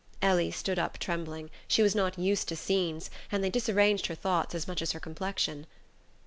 Ellie stood up trembling: she was not used to scenes, and they disarranged her thoughts as much as her complexion.